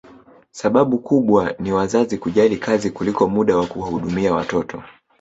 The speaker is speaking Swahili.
Sababu kubwa ni wazazi kujali kazi kuliko muda wa kuwahudumia watoto